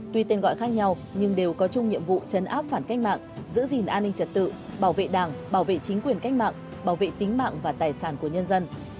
tuy tên gọi khác nhau nhưng đều có chung nhiệm vụ chấn áp phản cách mạng giữ gìn an ninh trật tự bảo vệ đảng bảo vệ chính quyền cách mạng bảo vệ tính mạng và tài sản của nhân dân